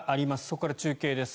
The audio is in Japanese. そこから中継です。